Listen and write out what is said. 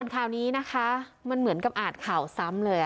คราวนี้นะคะมันเหมือนกับอ่านข่าวซ้ำเลย